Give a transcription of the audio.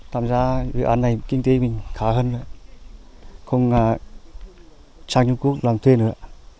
tạm ra dự án này kinh tế mình khả hân không sang trung quốc làm thuê nữa